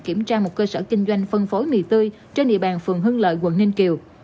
kiểm tra một cơ sở kinh doanh phân phối mì tươi trên địa bàn phường hưng lợi quận ninh kiều